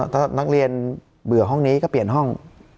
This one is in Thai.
ถ้านักเรียนเบื่อห้องนี้ก็เปลี่ยนห้อง